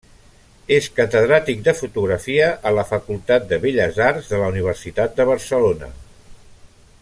És catedràtic de fotografia a la Facultat de Belles Arts de la Universitat de Barcelona.